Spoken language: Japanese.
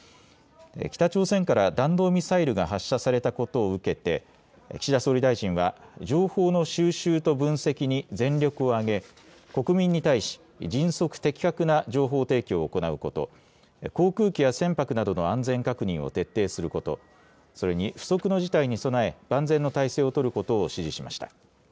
北朝鮮から弾道ミサイルが発射されたことを受けて岸田総理大臣は情報の収集と分析に全力を挙げ国民に対し迅速・的確な情報提供を行うこと、航空機や船舶などの安全確認を徹底すること、それに不測の事態に備え万全の態勢を取ることを指示しました。